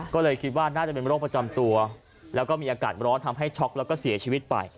ก็เลยคิดว่าน่าจะเป็นโรคประจำตัวแล้วก็มีอากาศร้อนทำให้ช็อกแล้วก็เสียชีวิตไป